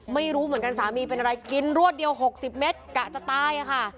ไม่รู้เหมือนกันสามีเป็นอะไรกินรวดเดียว๖๐เมตรกะจะตายค่ะ